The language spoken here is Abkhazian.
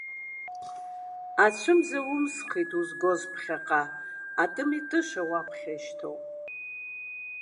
Ацәымза умсхит узгоз ԥхьаҟа, атымитыша уаԥхьа ишьҭоуп…